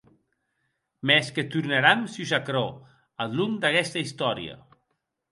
Mès que tornaram sus aquerò ath long d’aguesta istòria.